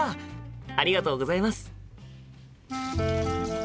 ありがとうございます。